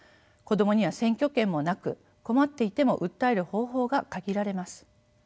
子どもには選挙権もなく困っていても訴える方法が限られます。